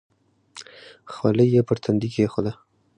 خولۍ یې پر تندي کېښوده.